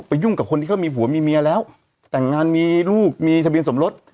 ยุ่งกับคนที่เขามีผัวมีเมียแล้วแต่งงานมีลูกมีทะเบียนสมรส